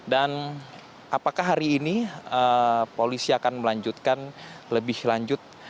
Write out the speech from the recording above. dan apakah hari ini polisi akan melanjutkan lebih lanjut